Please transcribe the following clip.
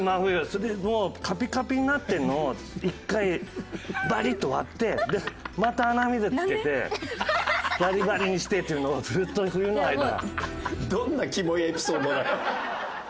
それでもうカピカピになってるのを１回バリッと割ってまた鼻水つけてバリバリにしてっていうのをずっと冬の間。